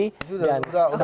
sudah berapa kali nih